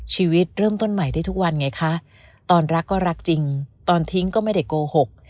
ชีวิตเริ่มต้นใหม่ได้ทุกวันไงคะตอนรักก็รักจริงตอนทิ้งก็ไม่ได้โกหก